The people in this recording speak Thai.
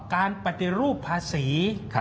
การปฏิรูปภาษี